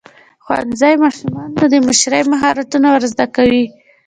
ښوونځی ماشومانو ته د مشرۍ مهارتونه ورزده کوي.